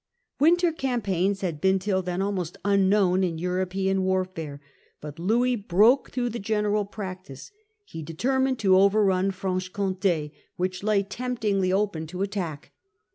Winter campaigns had been till then almost unknown in European warfare. But Louis broke through the general practice. He determined to overrun Franche Comtd, which lay temptingly open to attack.